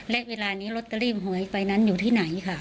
และเวลานี้ลอตเตอรี่หวยไฟนั้นอยู่ที่ไหนค่ะ